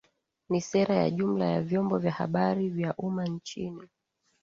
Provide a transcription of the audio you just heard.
ni sera ya jumla ya vyombo vya habari vya umma nchini